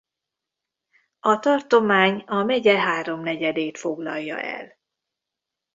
A tartomány a megye háromnegyedét foglalja el.